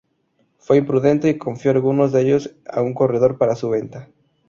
Fue imprudente y confió algunos de ellos a un corredor para su venta.